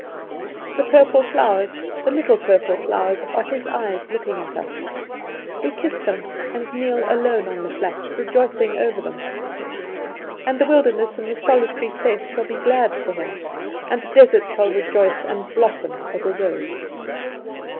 The purple flowers, the little purple flowers, are His eyes, looking at us. We kiss them, and kneel alone on the flat, rejoicing over them. And the wilderness and the solitary place shall be glad for Him, and the desert shall rejoice and blossom as a rose.